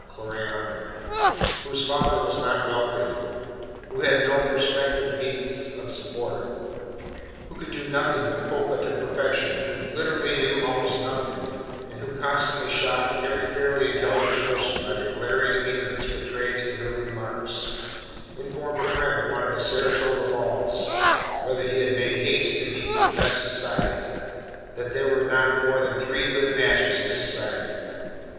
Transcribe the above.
Clorinda!) whose father was not wealthy, who had no prospective means of support, who could do nothing but polka to perfection, who literally knew almost nothing, and who constantly shocked every fairly intelligent person by the glaring ignorance betrayed in her remarks, informed a friend at one of the Saratoga balls, whither he had made haste to meet "the best society," that there were "not more than three good matches in society."